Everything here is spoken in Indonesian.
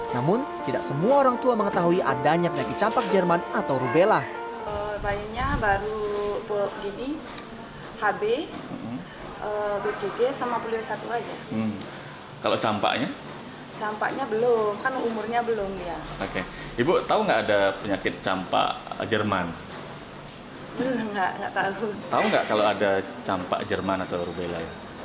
namun tidak semua orang tua mengetahui adanya penyakit campak jerman atau rubella